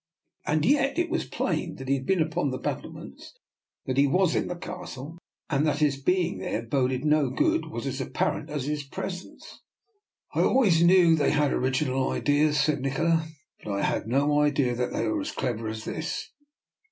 And 239 240 r>R NIKOLA'S EXPERIMENT. yet it was plain since he had been upon the battlements, that he was in the Castle, and that his being there boded no good was as ap parent as his presence. " I always knew they had original ideas," said Nikola, " but I had no idea they were as clever as this.